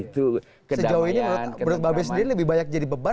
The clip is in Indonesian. sejauh ini menurut mbak be sendiri lebih banyak jadi beban